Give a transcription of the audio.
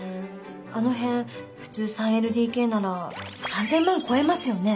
あの辺普通３ＬＤＫなら３，０００万超えますよね？